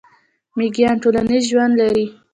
میږیان ټولنیز ژوند لري